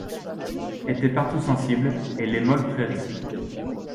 Était partout sensible, et les molles prairies